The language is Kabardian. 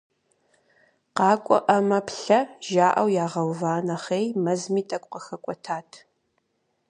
КъакӀуэӀамэ, плъэ, жаӀэу ягъэува нэхъей, мэзми тӀэкӀу къыхэкӀуэтат.